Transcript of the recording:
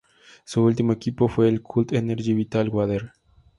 Su último equipo fue el Cult Energy Vital Water.